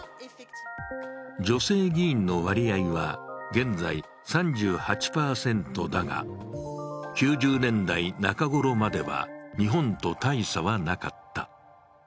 女性議員の割合は現在３８％だが、９０年代中ごろまでは日本と大差はなかった。